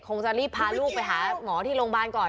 คงจะรีบพาลูกไปหาหมอที่โรงพยาบาลก่อน